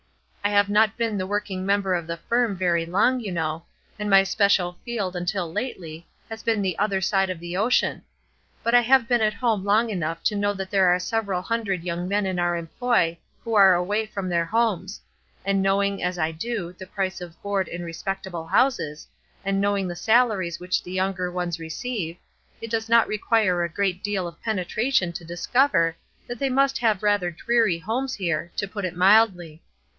I have not been the working member of the firm very long, you know, and my special field, until lately, has been the other side of the ocean; but I have been at home long enough to know that there are several hundred young men in our employ who are away from their homes; and knowing, as I do, the price of board in respectable houses, and knowing the salaries which the younger ones receive, it does not require a great deal of penetration to discover that they must have rather dreary homes here, to put it mildly.